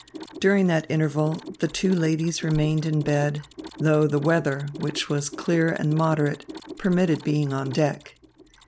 During that interval, the two ladies remained in bed, though the weather, which was clear and moderate, permitted being on deck.